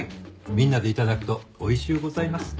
みんなで頂くとおいしゅうございます。